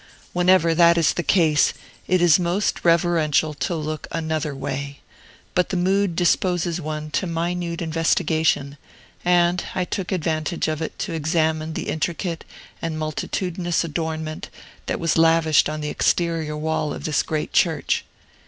Whenever that is the case, it is most reverential to look another way; but the mood disposes one to minute investigation, and I took advantage of it to examine the intricate and multitudinous adornment that was lavished on the exterior wall of this great church.